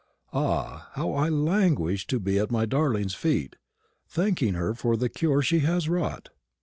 Ah, how I languish to be at my darling's feet, thanking her for the cure she has wrought!